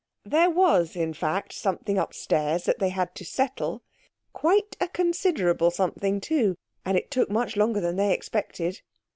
There was, in fact, something upstairs that they had to settle. Quite a considerable something, too. And it took much longer than they expected.